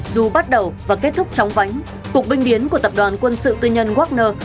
dù bắt đầu và kết thúc trong vánh cuộc binh biến của tập đoàn quân sự tư nhân wagner